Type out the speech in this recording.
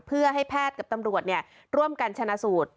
เพื่อให้แพทย์กับตำรวจร่วมกันชนะสูตร